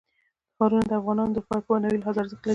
ښارونه د افغانانو لپاره په معنوي لحاظ ارزښت لري.